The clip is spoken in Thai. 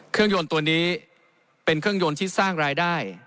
ยนต์ตัวนี้เป็นเครื่องยนต์ที่สร้างรายได้